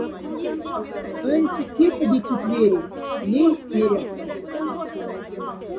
Аньцек кеподи цють вяри, ляйть перясазь.